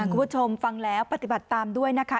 คุณผู้ชมฟังแล้วปฏิบัติตามด้วยนะคะ